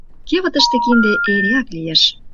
Кевытыште кинде эреак лиеш.